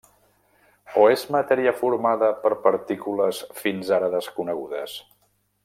O és matèria formada per partícules fins ara desconegudes?